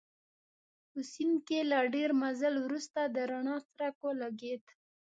په سیند کې له ډېر مزل وروسته د رڼا څرک ولګېد.